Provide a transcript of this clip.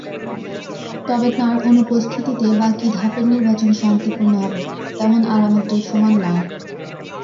তবে তাঁর অনুপস্থিতিতে বাকি ধাপের নির্বাচন শান্তিপূর্ণ হবে, তেমন আলামত দৃশ্যমান নয়।